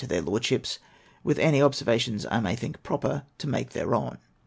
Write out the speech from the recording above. tlieir Lordships, with any observations I may think proper to make thereon.